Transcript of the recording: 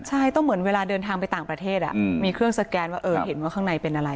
ใช่ต้องเหมือนเวลาเดินทางไปต่างประเทศมีเครื่องสแกนว่าเห็นว่าข้างในเป็นอะไร